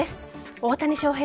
大谷翔平